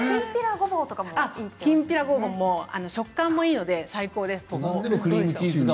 きんぴらごぼうも食感がいいので最高です。